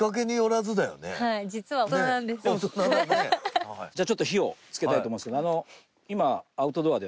全然なんかじゃあちょっと火をつけたいと思うんですけど。